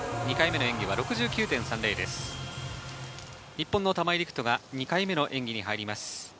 日本の玉井陸斗が２回目の演技に入ります。